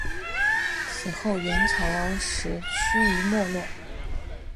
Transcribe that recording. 此后元朝时趋于没落。